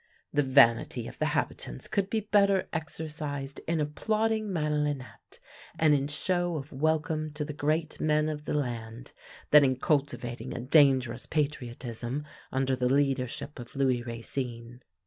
The vanity of the habitants could be better exercised in applauding Madelinette, and in show of welcome to the great men of the land, than in cultivating a dangerous patriotism under the leadership of Louis Racine.